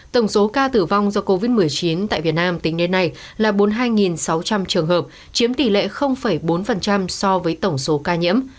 tổng số ca tử vong do covid một mươi chín tại việt nam tính đến nay là bốn mươi hai sáu trăm linh trường hợp chiếm tỷ lệ bốn so với tổng số ca nhiễm